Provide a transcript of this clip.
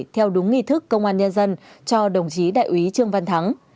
theo đúng nghị thức công an nhân dân cho đồng chí đại úy trương văn thắng